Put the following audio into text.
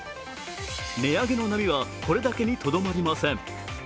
値上げの波は、これだけにとどまりません。